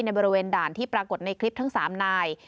บริเวณด่านที่ปรากฏในคลิปทั้ง๓นาย